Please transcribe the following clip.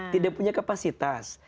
tidak punya kapasitas